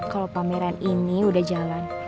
kalau pameran ini udah jalan